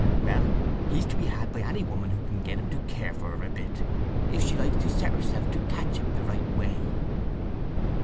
Well, he's to be had by any woman who can get him to care for her a bit, if she likes to set herself to catch him the right way."